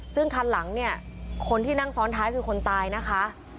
ซึ่งคันหลังเนี่ยคนที่นั่งซ้อนท้ายคือคนตายนะคะ